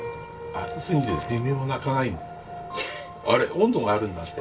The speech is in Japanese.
あれ温度があるんだって。